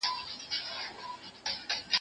پلار یې پلنډه کړ روان مخ پر بېدیا سو